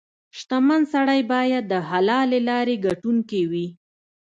• شتمن سړی باید د حلالې لارې ګټونکې وي.